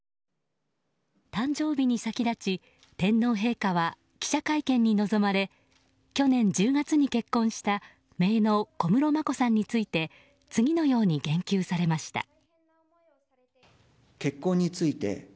誕生日に先立ち天皇陛下は記者会見に臨まれ去年１０月に結婚しためいの小室眞子さんについて次のように言及されました。